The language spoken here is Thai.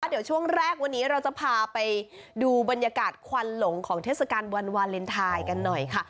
เดี๋ยวช่วงแรกวันนี้เราจะพาไปดูบรรยากาศควันหลงของเทศกาลวันวาเลนไทยกันหน่อยค่ะ